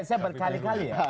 saya berkali kali ya